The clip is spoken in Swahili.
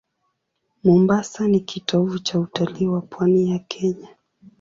Mombasa ni kitovu cha utalii wa pwani ya Kenya.